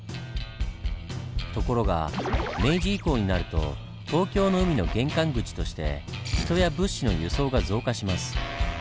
ところが明治以降になると東京の海の玄関口として人や物資の輸送が増加します。